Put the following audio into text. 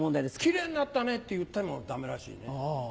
「キレイになったね」って言ってもダメらしいね。